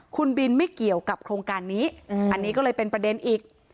คุณบินไม่เกี่ยวกับโครงการนี้อันนี้ก็เลยเป็นประเด็นอีก